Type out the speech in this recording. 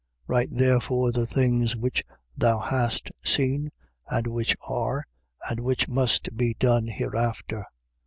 1:19. Write therefore the things which thou hast seen: and which are: and which must be done hereafter.